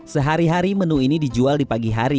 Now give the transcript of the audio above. sehari hari menu ini dijual di pagi hari